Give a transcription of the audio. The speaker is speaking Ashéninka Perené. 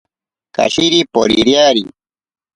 Kashiri poririari.